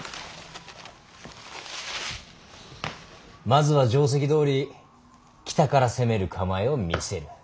まずは定石どおり北から攻める構えを見せる。